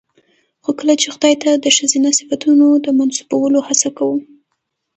خو کله چې خداى ته د ښځينه صفتونو د منسوبولو هڅه کوو